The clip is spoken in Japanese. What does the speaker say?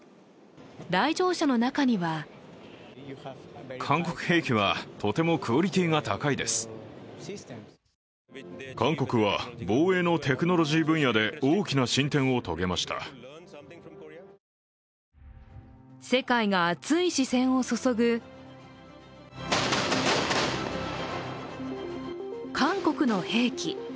来場者の中には世界が熱い視線を注ぐ韓国の兵器。